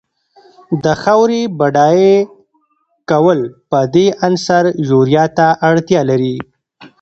د خاورې بډای کول په دې عنصر یوریا ته اړتیا لري.